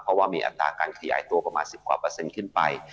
เพราะว่ามีอัตราการขยายตัวประมาณ๑๐กว่าเปอร์เซ็นต์ขึ้นไป